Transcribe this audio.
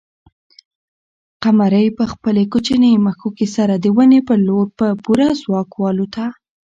قمرۍ په خپلې کوچنۍ مښوکې سره د ونې پر لور په پوره ځواک والوته.